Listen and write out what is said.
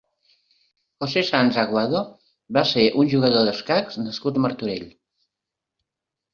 José Sanz Aguado va ser un jugador d'escacs nascut a Martorell.